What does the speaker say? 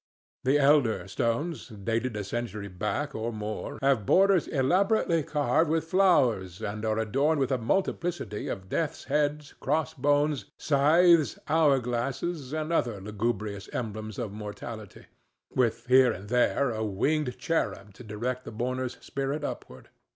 The elder stones, dated a century back or more, have borders elaborately carved with flowers and are adorned with a multiplicity of death's heads, crossbones, scythes, hour glasses, and other lugubrious emblems of mortality, with here and there a winged cherub to direct the mourner's spirit upward.